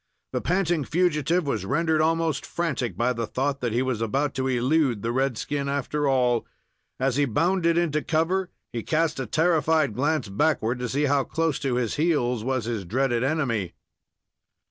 The panting fugitive was rendered almost frantic by the thought that he was about to elude the red skin after all. As he bounded into cover, he cast a terrified glance backward, to see how close to his heels was his dreaded enemy.